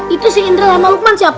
itu si indra sama lukman siapa